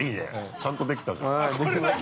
ちゃんとできたじゃない。